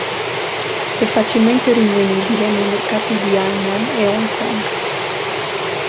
È facilmente rinvenibile nei mercati di Hainan e Hong Kong.